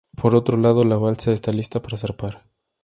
Por otro lado, la balsa está lista para zarpar.